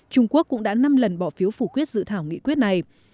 trung quốc cũng đã năm lần bỏ phiếu phủ quyết dự thảo nghị quyết này